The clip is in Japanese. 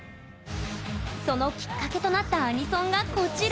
そのきっかけとなったアニソンがこちら！